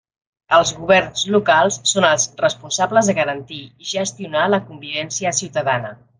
Els governs locals són els responsables de garantir i gestionar la convivència ciutadana.